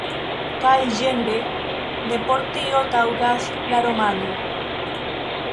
Kaj ĝenre ne por tio taŭgas la romano.